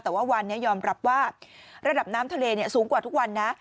แต่ว่าวันนี้ยอมรับว่าระดับน้ำทะเลสูงกว่าทุกวันนะ